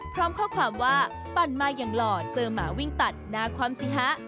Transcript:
พร้อมข้อความว่าปั่นมาอย่างหล่อเจอหมาวิ่งตัดหน้าความสิฮะ